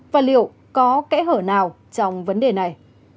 và liệu có kẽ hở nào trong vấn đề này